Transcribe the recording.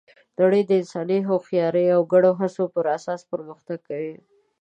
نړۍ د انساني هوښیارۍ او د ګډو هڅو پر اساس پرمختګ کوي.